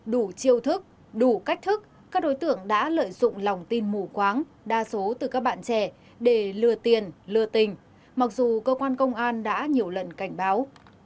đủ chiêu thức đủ cách thức các đối tượng đã lợi dụng lòng tin mù quáng đa số từ các bạn trẻ để lừa tiền lừa tình mặc dù cơ quan công an đã nhiều lần cảnh báo